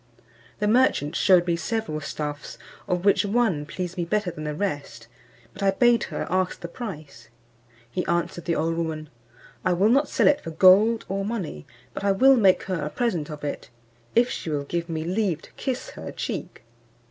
The merchant shewed me several stuffs, of which one pleased me better than the rest; but I bade her ask the price. He answered the old woman, "I will not sell it for gold or money, but I will make her a present of it, if she will give me leave to kiss her cheek."